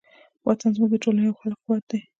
وطن زموږ د ټولنې او خلکو قوت دی.